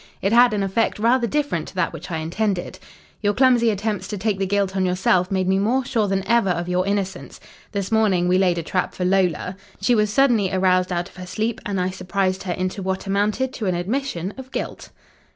It had an effect rather different to that which I intended. "Your clumsy attempts to take the guilt on yourself made me more sure than ever of your innocence. This morning we laid a trap for Lola. She was suddenly aroused out of her sleep, and I surprised her into what amounted to an admission of guilt."